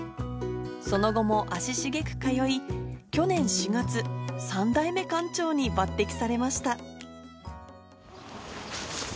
その後も足しげく通い、去年４月、３代目館長に抜てきされました。